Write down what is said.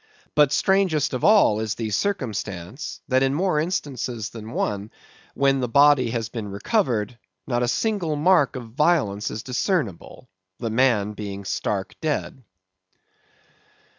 But strangest of all is the circumstance, that in more instances than one, when the body has been recovered, not a single mark of violence is discernible; the man being stark dead.